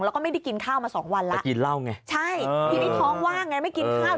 แล้วก็ไม่ได้กินข้าวมา๒วันละใช่ทีนี้ท้องว่างไงไม่กินข้าว